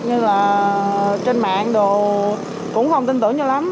nhưng là trên mạng đồ cũng không tin tưởng như lắm